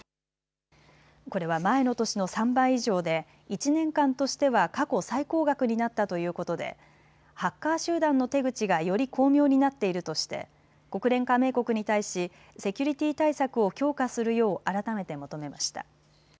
これは前の年の３倍以上で１年間としては過去最高額になったということでハッカー集団の手口がより巧妙になっているとして国連加盟国に対しセキュリティー対策を強化するよう改めて求めました。